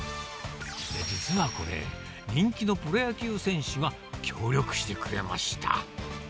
実はこれ、人気のプロ野球選手が協力してくれました。